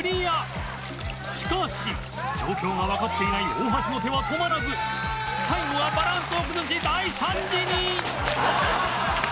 しかし状況がわかっていない大橋の手は止まらず最後はバランスを崩し大惨事に！